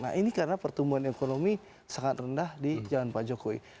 nah ini karena pertumbuhan ekonomi sangat rendah di jalan pak jokowi